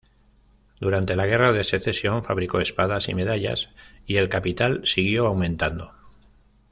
Durante la Guerra de Secesión fabricó espadas y medallas, y el capital siguió aumentando.